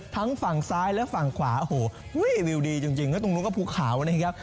ทั้งฝั่งซ้ายและฝั่งขวาโอ้โหวิวดีจริงแล้วตรงนู้นก็ภูเขานะครับ